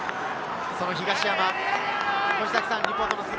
その東山。